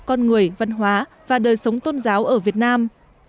con người văn hóa và đời sống tôn giáo ở việt nam